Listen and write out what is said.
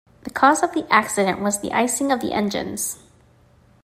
The cause of the accident was the icing of the engines.